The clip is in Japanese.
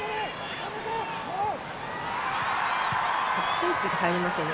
スイッチが入りましたよね